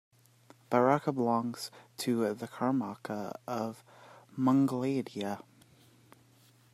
Barrika belongs to the comarca of Mungialdea.